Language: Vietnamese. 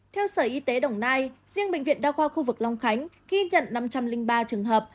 theo sở y tế đồng nai riêng bệnh viện đa khoa khu vực long khánh ghi nhận năm trăm linh ba trường hợp